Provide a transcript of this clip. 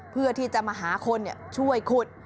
เพื่อที่จะมาหาคนช่วยขุด